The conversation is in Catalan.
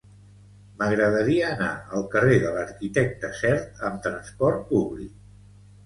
M'agradaria anar al carrer de l'Arquitecte Sert amb trasport públic.